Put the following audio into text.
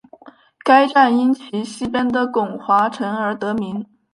该站因其西边的巩华城而得名。